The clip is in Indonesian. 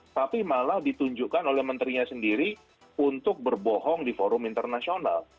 tapi malah ditunjukkan oleh menterinya sendiri untuk berbohong di forum internasional